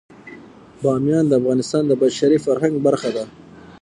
بامیان د افغانستان د بشري فرهنګ برخه ده.